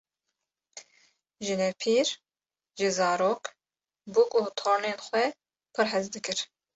Jinepîr ji zarok, bûk û tornên xwe pir hez dikir.